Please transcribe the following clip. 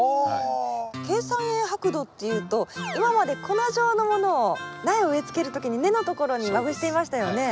珪酸塩白土っていうと今まで粉状のものを苗を植えつける時に根のところにまぶしていましたよね？